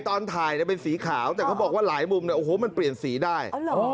ตอนถ่ายนี่เป็นสีขาวแต่เขาบอกว่าหลายมุมเปลี่ยนสีได้